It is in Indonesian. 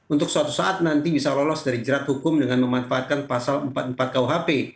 untuk suatu saat nanti bisa lolos dari jerat hukum dengan memanfaatkan pasal empat puluh empat kuhp